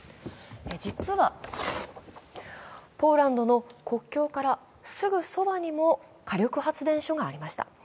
実はポーランドの国境からすぐそばにも火力発電所がありました。